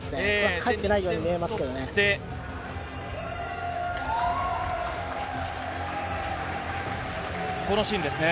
返ってないように見えますけどね。